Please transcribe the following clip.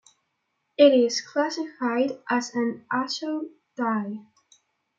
It is classified as an azo dye.